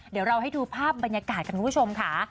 เดี๋ยวเราให้ดูภาพบรรยากาศกันคุณผู้ชมค่ะ